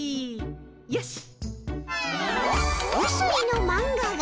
よし。